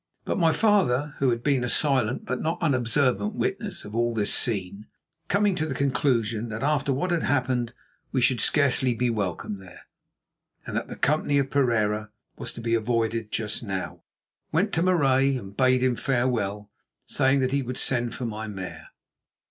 But my father, who had been a silent but not unobservant witness of all this scene, coming to the conclusion that after what had happened we should scarcely be welcome there, and that the company of Pereira was to be avoided just now, went up to Marais and bade him farewell, saying that we would send for my mare.